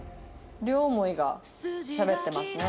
両思いがしゃべってますね。